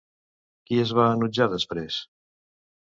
Qui es va enutjar després?